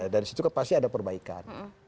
dari situ pasti ada perbaikan